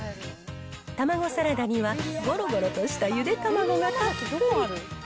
たまごサラダにはごろごろとしたゆでたまごがたっぷり。